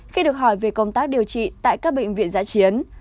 khi được hỏi về công tác điều trị tại các bệnh viện giã chiến